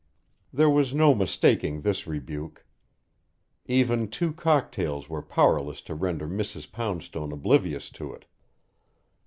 There was no mistaking this rebuke; even two cocktails were powerless to render Mrs. Poundstone oblivious to it.